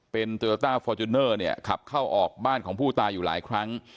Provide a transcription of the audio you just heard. เป็นเนี่ยขับเข้าออกบ้านของผู้ตายอยู่หลายครั้ง